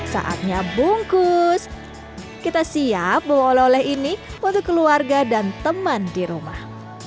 saatnya bungkus kita siap bawa oleh oleh ini untuk keluarga dan teman di rumah